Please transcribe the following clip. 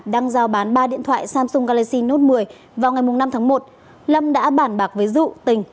đang giao bán ba điện thoại samsung galaxy nốt một mươi vào ngày năm tháng một lâm đã bản bạc với dụ tình